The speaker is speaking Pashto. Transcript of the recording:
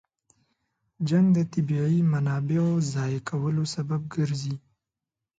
جنګ د طبیعي منابعو ضایع کولو سبب ګرځي.